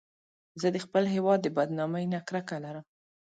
زه د خپل هېواد د بدنامۍ نه کرکه لرم